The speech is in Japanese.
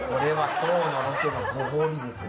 今日のロケのご褒美ですね。